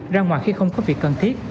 ra ngoài khi không có việc cần thiết